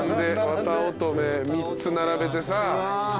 わたおとめ３つ並べてさ。